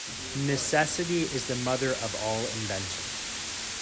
Necessity is the mother of all invention.